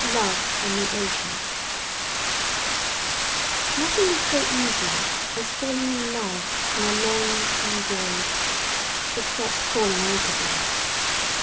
LOVE ON THE OCEAN Nothing is so easy as falling in love on a long sea voyage, except falling out of love.